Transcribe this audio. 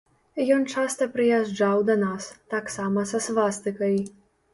Ён часта прыязджаў да нас, таксама са свастыкай.